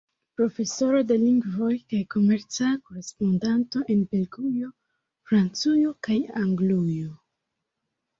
Profesoro de lingvoj kaj komerca korespondanto en Belgujo, Francujo kaj Anglujo.